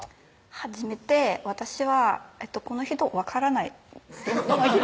初めて私はこの人分からない